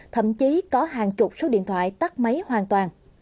thậm chí có hàng chục số điện thoại tắt máy hoàn toàn